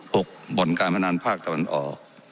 บ่อนการพนันภาคตะวันออก